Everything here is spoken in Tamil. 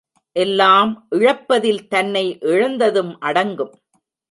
எல்லாம் இழப்பதில் தன்னை இழந்ததும் அடங்கும்.